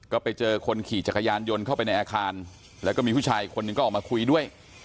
ก็ไปเจอคนขี่จักรยานยนต์เข้าไปในอาคารแล้วก็มีผู้ชายคนหนึ่งก็ออกมาคุยด้วย